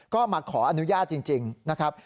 ก็มาขออนุญาตจริงนะครับ